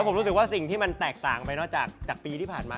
ผมรู้สึกว่าสิ่งที่มันแตกต่างไปนอกจากปีที่ผ่านมา